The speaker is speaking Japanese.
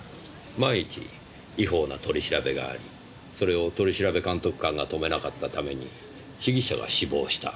万一違法な取り調べがありそれを取調監督官が止めなかったために被疑者が死亡した。